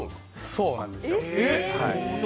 そうなんですよ。